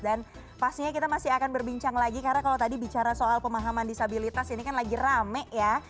pastinya kita masih akan berbincang lagi karena kalau tadi bicara soal pemahaman disabilitas ini kan lagi rame ya